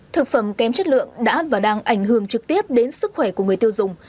thực phẩm kém chất lượng đã và đang ảnh hưởng trực tiếp đến sức khỏe của người tiêu dùng